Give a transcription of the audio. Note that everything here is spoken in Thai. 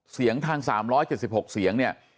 เสียงทาง๓๗๖เสียงเนี่ย